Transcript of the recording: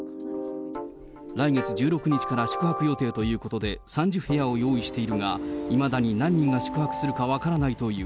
来月１６日から宿泊予定ということで、３０部屋を用意しているが、いまだに何人が宿泊するか分からないという。